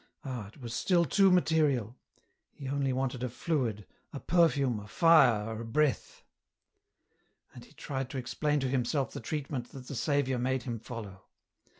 Ah ! it was still too material ! he only wanted a fluid, a perfume a fire, a breath ! And he tried to explain to himself the treatment that the Saviour made him follow.